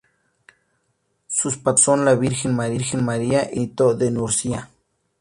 Sus patronos son la Virgen María y San Benito de Nursia.